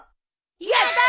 やったあ！